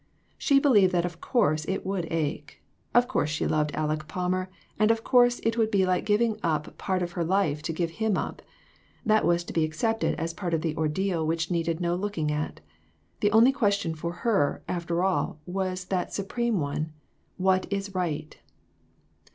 She believed that of course it would ache. Of course she loved Aleck Palmer, and of course it would be like giving up part of her life to give him up; that was to be accepted as part of the ordeal which needed no looking at ; the only ques tion for her, after all, was that supreme one " What is Right